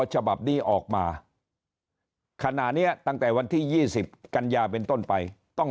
ฉบับนี้ออกมาขณะนี้ตั้งแต่วันที่๒๐กันยาเป็นต้นไปต้อง